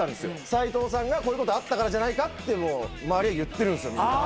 斉藤さんがこういうことあったからじゃないかってもう周りは言ってるんすよ。